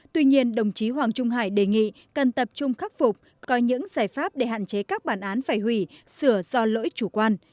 tuy nhiên đồng chí hoàng trung hải đề nghị cần tập trung khắc phục có những giải pháp để hạn chế các bản án phải hủy sửa do lỗi chủ quan